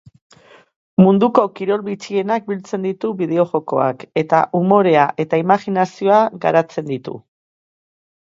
Munduko kirol bitxienak biltzen ditu bideo-jokoak eta umorea eta imajinazioa garatzen ditu.